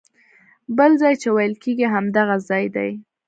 بل ځای چې ویل کېږي همدغه ځای دی.